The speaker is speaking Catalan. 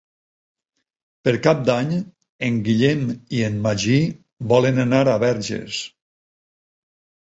Per Cap d'Any en Guillem i en Magí volen anar a Verges.